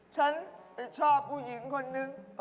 ฉันชอบผู้หญิงคนนึง